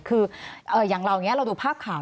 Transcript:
คืออย่างเราเนี่ยเราดูภาพข่าว